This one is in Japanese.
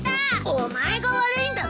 お前が悪いんだぞ！